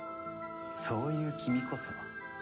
そういう君こそ。